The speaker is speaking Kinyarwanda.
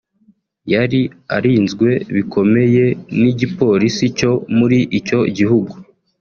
yari arinzwe bikomeye n'igipolisi cyo muri icyo gihugu